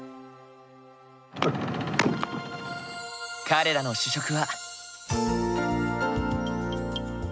彼らの主食は。